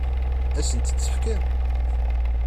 Ad sent-tt-fken?